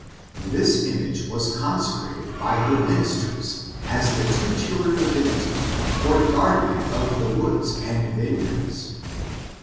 This image was consecrated by her ministers as the tutelar divinity, or guardian of the woods and vineyards.